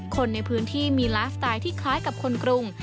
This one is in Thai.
คนในพื้นที่มีไลฟ์สไตล์ที่คล้ายกับคนกรุง